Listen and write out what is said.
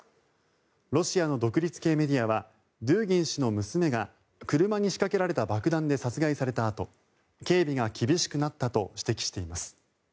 ロシアの独立系メディアはドゥーギン氏の娘が車に仕掛けられた爆弾で殺害されたあと警備が厳しくなったと指摘しています。